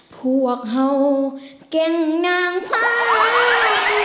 พวกเห่าเก่งนางฟ้า